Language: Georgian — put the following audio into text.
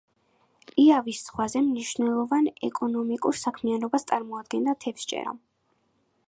იავის ზღვაზე მნიშვნელოვან ეკონომიკურ საქმიანობას წარმოადგენს თევზჭერა.